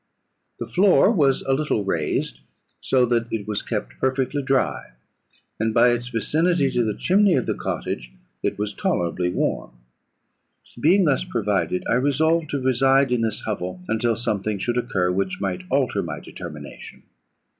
The floor was a little raised, so that it was kept perfectly dry, and by its vicinity to the chimney of the cottage it was tolerably warm. "Being thus provided, I resolved to reside in this hovel, until something should occur which might alter my determination.